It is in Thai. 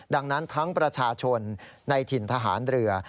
ดังนั้นทั้งประชาชนในถิ่นทหารเรือ